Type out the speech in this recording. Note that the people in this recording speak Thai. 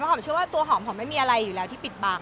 หอมเชื่อว่าตัวหอมหอมไม่มีอะไรอยู่แล้วที่ปิดบัง